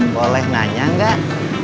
boleh nanya gak